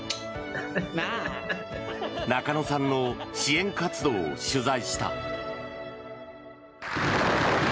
中野さんの支援活動を取材した。